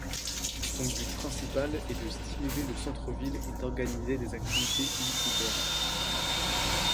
Son but principal est de stimuler le centre-ville et d’organiser des activités publicitaires.